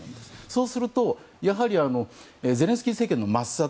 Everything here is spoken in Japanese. そうすると、やはりゼレンスキー政権の抹殺。